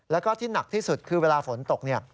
แล้วก็ที่หนักที่สุดคือเวลาฝนตก